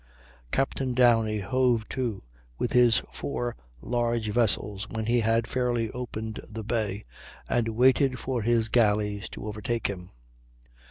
Captain Downie hove to with his four large vessels when he had fairly opened the Bay, and waited for his galleys to overtake him.